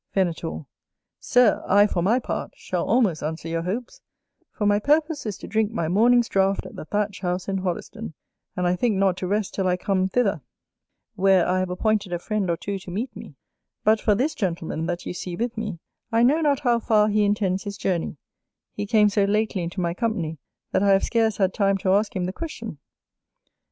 Venator. Sir, I, for my part, shall almost answer your hopes; for my purpose is to drink my morning's draught at the Thatched House in Hoddesden; and I think not to rest till I come thither, where I have appointed a friend or two to meet me: but for this gentleman that you see with me, I know not how far he intends his journey; he came so lately into my company, that I have scarce had time to ask him the question.